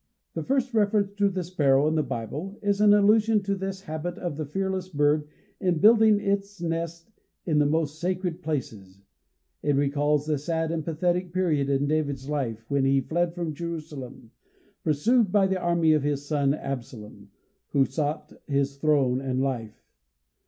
The first reference to the sparrow in the Bible is an allusion to this habit of the fearless bird in building its nest in the most sacred places. It recalls the sad and pathetic period in David's life, when he fled from Jerusalem pursued by the army of his son Absalom, "who sought his throne and life."